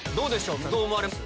皆さんどう思われます？